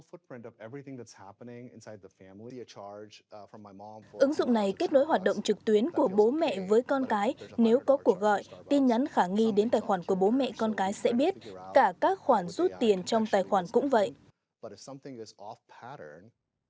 ứng dụng này kết nối hoạt động trực tuyến của bố mẹ với con cái nếu có cuộc gọi tin nhắn khả nghi đến tài khoản của bố mẹ con cái sẽ biết cả các khoản rút tiền trong tài khoản cũng vậy